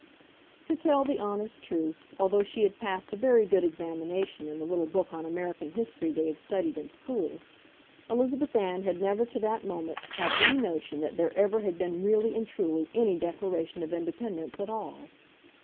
To tell the honest truth, although she had passed a very good examination in the little book on American history they had studied in school, Elizabeth Ann had never to that moment had any notion that there ever had been really and truly any Declaration of Independence at all.